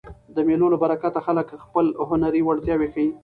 د مېلو له برکته خلک خپلي هنري وړتیاوي ښيي.